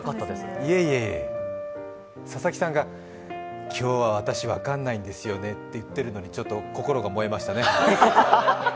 いえいえ、佐々木さんが、今日私分かんないんですよねと言っているのがちょっと心が萌えましたね。